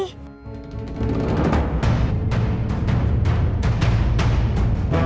udah padanan bu